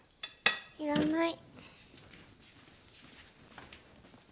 いらない。